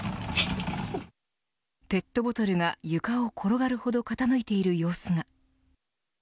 ペットボトルが床を転がるほど傾いている様子が。